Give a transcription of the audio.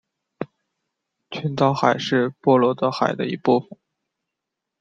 群岛海是波罗的海的一部份。